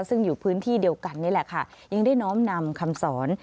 ซึ่งอยู่พื้นที่เดียวกันนี่แหละค่ะยังได้น้อมนำคำสอน